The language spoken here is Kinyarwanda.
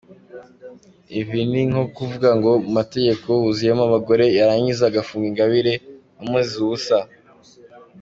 Ibi ninko kuvuga ngo mu nteko huzuyemo abagore yarangiza agafunga Ingabire amuziza ubusa.